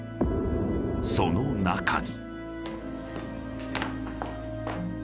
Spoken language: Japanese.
［その中に］